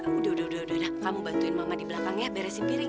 eh udah udah udah udah udah kamu bantuin mama di belakang ya beresin piring